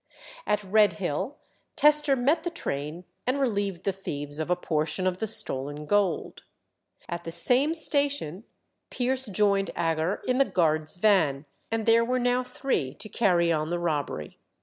At Redhill Tester met the train and relieved the thieves of a portion of the stolen gold. At the same station Pierce joined Agar in the guard's van, and there were now three to carry on the robbery.